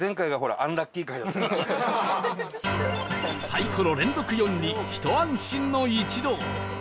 サイコロ連続「４」にひと安心の一同